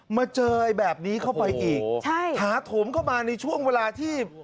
มาเจอแบบนี้เข้าไปอีกถาโถมเข้ามาในช่วงเวลาที่